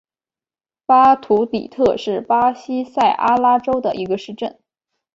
巴图里特是巴西塞阿拉州的一个市镇。